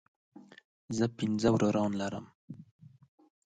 زه پنځه وروڼه لرم